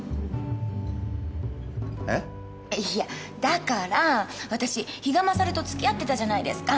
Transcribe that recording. いやだから私ヒガマサルと付き合ってたじゃないですか。